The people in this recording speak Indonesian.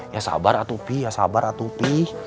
ya sabar atupi ya sabar atupi